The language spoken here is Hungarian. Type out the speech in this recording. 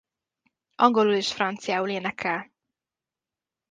Angolul és franciául énekel.